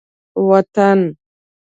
وطن